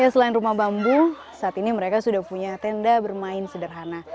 selain rumah bambu saat ini mereka sudah punya tenda bermain sederhana